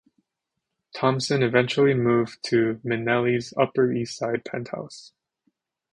Thompson eventually moved into Minnelli's Upper East Side penthouse.